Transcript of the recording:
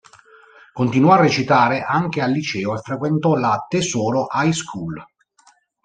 Continuò a recitare anche al liceo e frequentò la "Tesoro High School".